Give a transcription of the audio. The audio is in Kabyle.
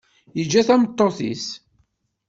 Yeǧǧa tameṭṭut-is.